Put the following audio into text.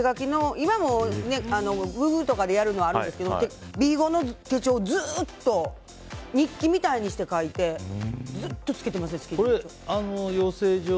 今もグーグルとかでやるやつもあるんですけどＢ５の手帳をずっと日記みたいにして書いてずっとつけていますね。